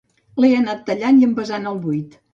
L'he anat tallant i envasant al buit